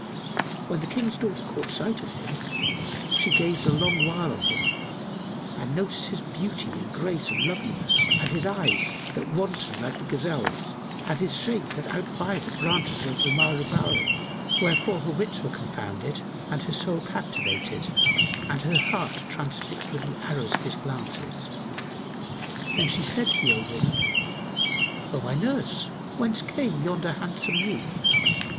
When the King's daughter caught sight of him, she gazed a long while on him and noticed his beauty and grace and loveliness and his eyes that wantoned like the gazelle's, and his shape that outvied the branches of the myrobalan; wherefore her wits were confounded and her soul captivated and her heart transfixed with the arrows of his glances. Then she said to the old woman, "O my nurse, whence came yonder handsome youth?"